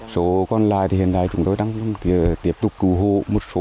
số còn lại thì hiện nay chúng tôi đang tiếp tục cứu hộ một số